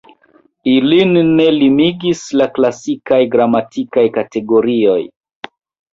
Ilin ne limigis la klasikaj gramatikaj kategorioj.